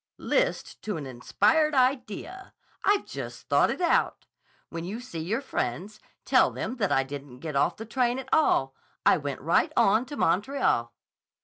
"List to an inspired idea! I've just thought it out. When you see your friends, tell them that I didn't get off the train at all. I went right on to Montreal."